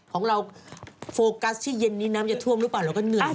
ของเราโฟกัสที่เย็นนี้น้ำจะท่วมหรือเปล่าเราก็เหนื่อย